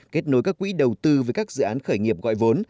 kết nối các quỹ đầu tư với các dự án khởi nghiệp gọi vốn